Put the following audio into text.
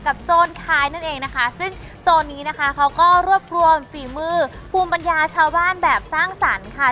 โซนท้ายนั่นเองนะคะซึ่งโซนนี้นะคะเขาก็รวบรวมฝีมือภูมิปัญญาชาวบ้านแบบสร้างสรรค์ค่ะ